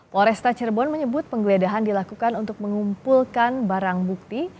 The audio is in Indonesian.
polresta cirebon menyebut penggeledahan dilakukan untuk mengumpulkan barang bukti